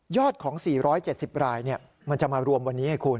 ของ๔๗๐รายมันจะมารวมวันนี้ให้คุณ